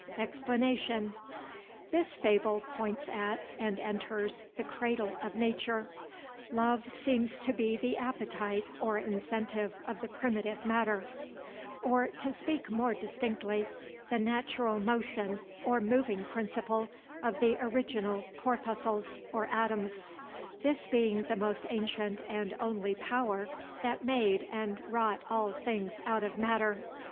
EXPLANATION.—This fable points at, and enters, the cradle of nature. Love seems to be the appetite, or incentive, of the primitive matter; or, to speak more distinctly, the natural motion, or moving principle, of the original corpuscles, or atoms; this being the most ancient and only power that made and wrought all things out of matter.